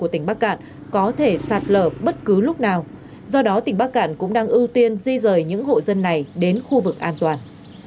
tỉnh bắc cạn cũng đang ưu tiên di rời những hộ dân này đến khu vực an toàn